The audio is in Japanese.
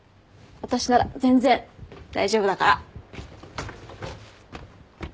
私なら全然大丈夫だから。